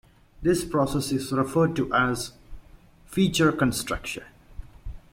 This process is referred to as feature construction.